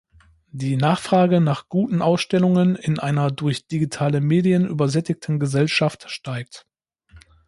Die Nachfrage nach guten Ausstellungen in einer durch digitale Medien übersättigten Gesellschaft steigt.